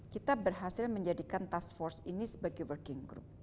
kita berhasil menjadikan task force ini sebagai working group